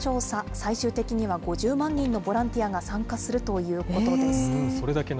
最終的には５０万人のボランティアが参加するということです。